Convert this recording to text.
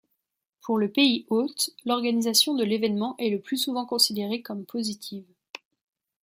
Pour le pays hôte, l’organisation de l’événement est le plus souvent considérée comme positive.